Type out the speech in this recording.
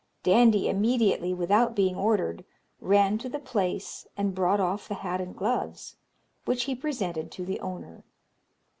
Dandie immediately, without being ordered, ran to the place and brought off the hat and gloves, which he presented to the owner.